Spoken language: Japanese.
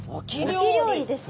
沖料理ですか。